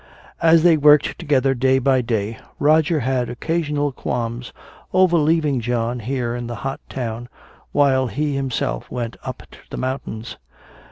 As they worked together day by day, Roger had occasional qualms over leaving John here in the hot town while he himself went up to the mountains.